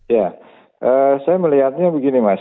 ya saya melihatnya begini mas